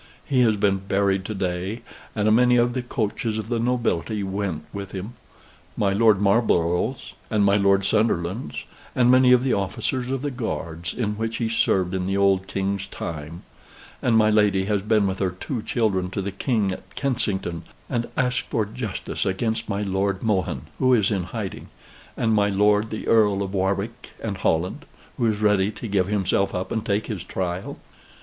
He has been buried to day, and a many of the coaches of the nobility went with him my Lord Marlborough's and my Lord Sunderland's, and many of the officers of the Guards, in which he served in the old King's time; and my lady has been with her two children to the King at Kensington, and asked for justice against my Lord Mohun, who is in hiding, and my Lord the Earl of Warwick and Holland, who is ready to give himself up and take his trial."